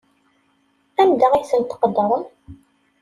Anda ay ten-tqeddrem?